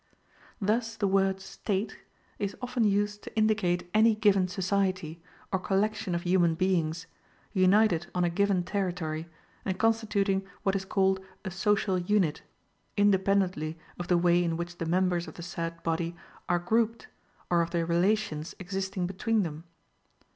Thus the word State is often used to indicate any given society, or collection of human beings, united on a given territory and constituting what is called a social unit, independently of the way in which the members of the said body are grouped, or of the relations existing between them.